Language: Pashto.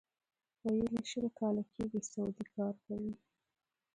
ویل یې شل کاله کېږي سعودي کار کوي.